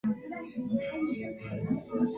热力学状态是指一组描述热力学系统的状态。